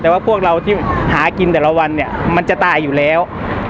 แต่ว่าพวกเราที่หากินแต่ละวันเนี่ยมันจะตายอยู่แล้ว